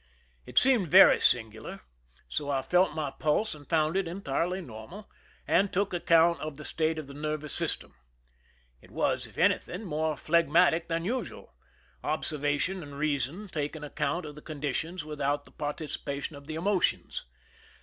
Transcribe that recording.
It seemed very i singular, so I felt my pulse, and found it entirely I normal, and took account of the state of the nervous ) system. It was, if anything, more phlegmatic than \ usual, observation and reason taking account of f the conditions without the participation of the \ emotions.